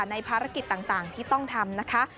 ในภารกิจต่างที่ต้องทำนะคะ